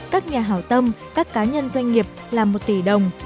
các nhà hảo tâm các cá nhân doanh nghiệp là một tỷ đồng